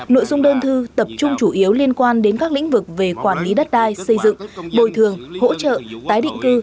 nội dung đơn thư tập trung chủ yếu liên quan đến các lĩnh vực về quản lý đất đai xây dựng bồi thường hỗ trợ tái định cư